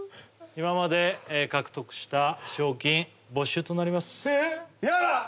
今まで獲得した賞金没収となりますえっやだ！